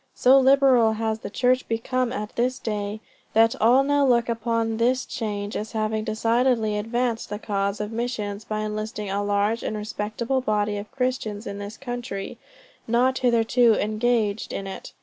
So liberal has the church become at this day, that all now look upon this change as having decidedly advanced the cause of missions by enlisting a large and respectable body of Christians in this country, not hitherto engaged in it.